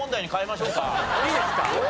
いいですか？